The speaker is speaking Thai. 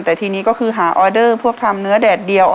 แต่ทีนี้ก็คือหาออเดอร์พวกทำเนื้อแดดเดียว